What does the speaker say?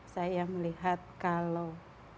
saya melihat kalau